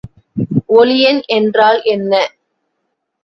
ஒளியன் என்றால் என்ன?